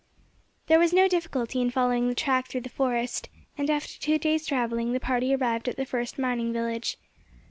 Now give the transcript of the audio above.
There was no difficulty in following the track through the forest, and after two days' travelling the party arrived at the first mining village.